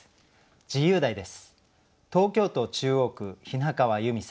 自由題です。